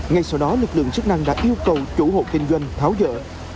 ngay sau đó lực lượng chức năng đã yêu cầu chủ hộ kinh doanh tháo dỡ